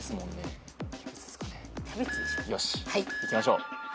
よしいきましょう。